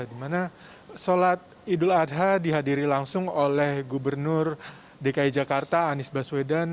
dimana sholat idul adha dihadiri langsung oleh gubernur dki jakarta anies baswedan